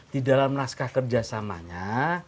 di dalam naskah kerjasamanya